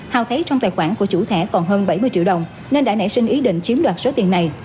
hào thấy trong tài khoản của chủ thẻ còn hơn bảy mươi triệu đồng nên đã nảy sinh ý định chiếm đoạt số tiền này